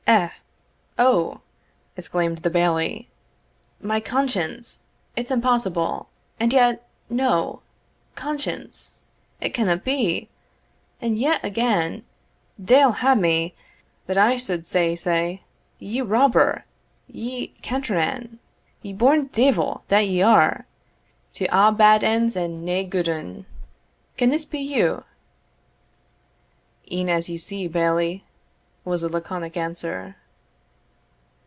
Eh! Oh!" exclaimed the Bailie. "My conscience! it's impossible! and yet no! Conscience! it canna be! and yet again Deil hae me, that I suld say sae! Ye robber ye cateran ye born deevil that ye are, to a' bad ends and nae gude ane! can this be you?" "E'en as ye see, Bailie," was the laconic answer.